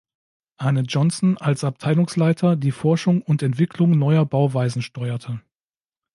Arne Johnson als Abteilungsleiter die Forschung und Entwicklung neuer Bauweisen steuerte.